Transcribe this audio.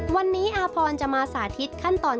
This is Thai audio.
วันนี้อาพรจะมาสาธิตขั้นตอน